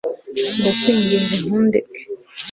Ndakwinginze ntundeke